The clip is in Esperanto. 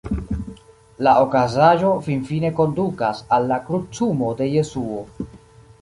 La okazaĵo finfine kondukas al la krucumo de Jesuo.